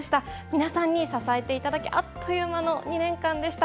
皆さんに支えていただき、あっという間の２年間でした。